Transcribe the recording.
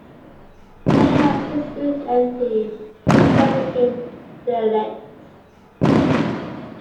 Many have since stood empty and some became derelict.